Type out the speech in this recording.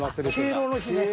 敬老の日ね。